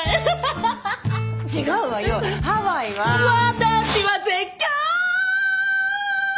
「私は絶叫！」